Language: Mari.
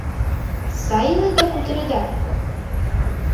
Сай иледа-кутыреда?